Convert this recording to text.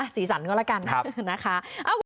สีสันก็แล้วกันนะคะ